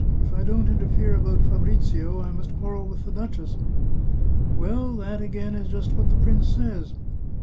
" If I don't interfere about Fabrizio I must quarrel with the duchess." " Well, that again is just what the prince says.